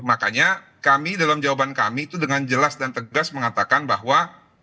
makanya kami dalam jawaban kami itu dengan jelas dan tegas mengatakan bahwa